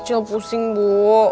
cil pusing bu